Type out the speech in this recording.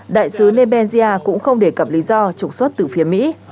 đại sứ lebenia cũng không đề cập lý do trục xuất từ phía mỹ